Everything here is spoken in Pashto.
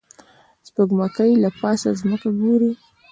سپوږمکۍ له پاسه ځمکه ګوري